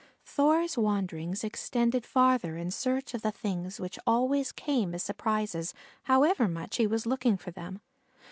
Thor's wanderings extended farther in search of the things which always came as surprises however much he was looking for them.